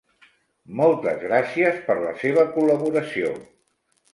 Moltes gràcies per la seva col·laboració.